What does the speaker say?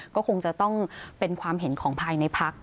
ก็คงจะต้องเป็นความเห็นของภายในพัก